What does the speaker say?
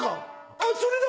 「あっそれだ！